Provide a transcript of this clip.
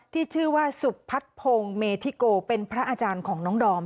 ที่ชื่อว่าสุพัฒนพงศ์เมธิโกเป็นพระอาจารย์ของน้องดอม